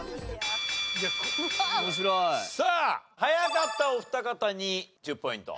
さあ早かったお二方に１０ポイント。